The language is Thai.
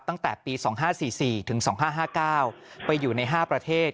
ตั้งแต่ปี๒๕๔๔ถึง๒๕๕๙ไปอยู่ใน๕ประเทศ